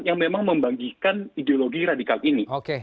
yang memang membagikan ideologi radikal ini